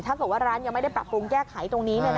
ถ้าเกิดว่าร้านยังไม่ได้ปรับปรุงแก้ไขตรงนี้